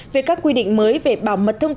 về các quy định mới về bảo mật thông tin